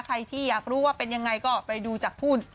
ใครที่อยากรู้ว่าเป็นยังไงก็ไปดูจากหุ้น